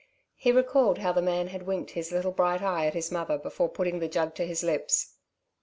He recalled how the man had winked his little bright eye at his mother before putting the jug to his lips.